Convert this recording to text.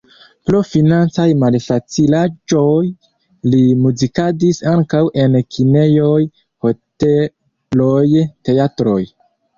Pro financaj malfacilaĵoj li muzikadis ankaŭ en kinejoj, hoteloj, teatroj.